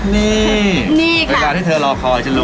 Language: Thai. นี่นี่ค่ะเวลาที่เธอรอคอยฉันรู้